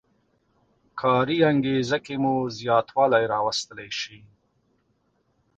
کاري انګېزه کې مو زیاتوالی راوستلی شي.